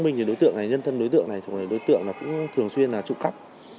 trình xác minh đối tượng này nhân thân đối tượng này đối tượng cũng thường xuyên trụ cắp